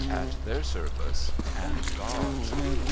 At their service and God's.